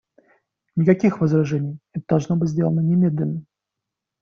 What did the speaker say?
Никаких возражений, это должно быть сделано немедленно.